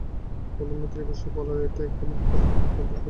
প্রধানমন্ত্রী এ বিষয়ে বলার পর এটা এখন প্রক্রিয়ার মাধ্যমে করা হবে।